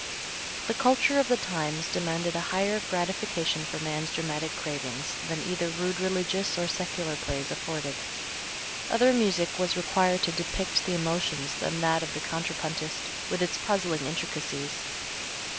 The culture of the times demanded a higher gratification for man's dramatic cravings than either rude religious or secular plays afforded. Other music was required to depict the emotions than that of the contrapuntist, with its puzzling intricacies.